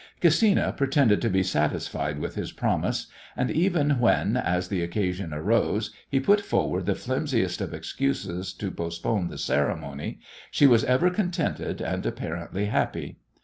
Gesina pretended to be satisfied with his promise, and even when, as the occasion arose, he put forward the flimsiest of excuses to postpone the ceremony, she was ever contented and apparently happy.